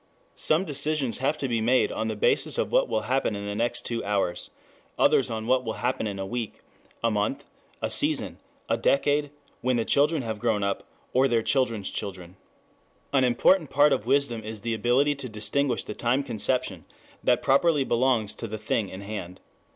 Some decisions have to be made on the basis of what will happen in the next two hours; others on what will happen in a week, a month, a season, a decade, when the children have grown up, or their children's children. An important part of wisdom is the ability to distinguish the time conception that properly belongs to the thing in hand.